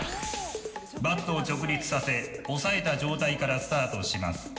バットを直立させ押さえた状態からスタートします。